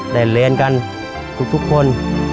ได้เรียนกันทุกคน